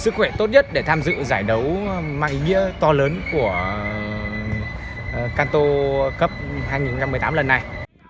sức khỏe tốt nhất để tham dự giải đấu mang ý nghĩa to lớn của canto cup hai nghìn một mươi tám lần này